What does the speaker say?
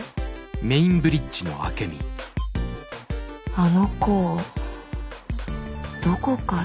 あの子どこかで。